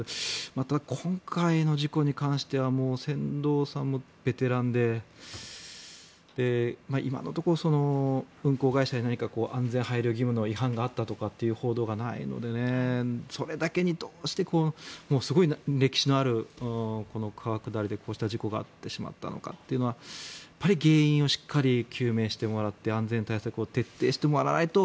また今回の事故に関してはもう船頭さんもベテランで今のところ運航会社に何か安全配慮義務の違反があったとかという報道がないのでそれだけに、どうしてすごい歴史のあるこの川下りでこうした事故があってしまったのかというのはやっぱり原因をしっかり究明してもらって安全対策を徹底してもらわないと